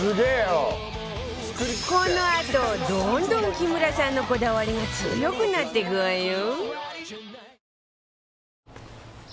このあとどんどん木村さんのこだわりが強くなっていくわよ